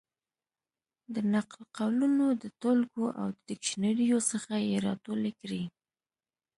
د نقل قولونو د ټولګو او ډکشنریو څخه یې را ټولې کړې.